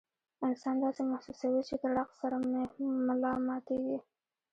انسان داسې محسوسوي چې د ړق سره مې ملا ماتيږي